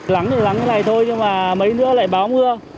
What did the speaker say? lắng thì lắng thế này thôi nhưng mà mấy nữa lại báo mưa